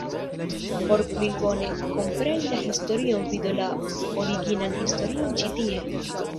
Por pli bone kompreni la historion vidu la originan historion ĉi tie!